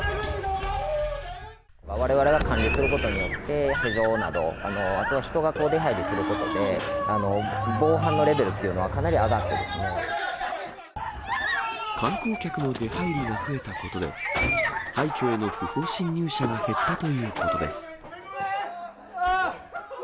われわれが管理することによって、施錠など、あとは人が出はいりすることで、防犯のレベルっていうのはかなり観光客の出はいりが増えたことで、廃虚への不法侵入者が減ったということです。